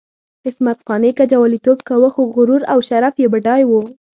عصمت قانع که جواليتوب کاوه، خو غرور او شرف یې بډای وو.